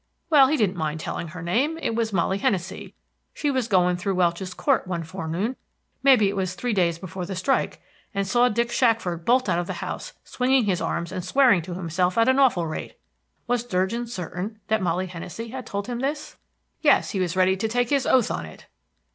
Well, he didn't mind telling her name; it was Molly Hennessey. She was going through Welch's Court one forenoon, may be it was three days before the strike, and saw Dick Shackford bolt out of the house, swinging his arms and swearing to himself at an awful rate. Was Durgin certain that Molly Hennessey had told him this? Yes, he was ready to take his oath on it.